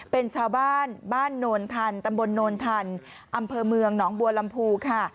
เป็นชาวบ้านบ้านโนนทันตำบลโนนทันอำเภอเมืองหนองบัวลำพูค่ะ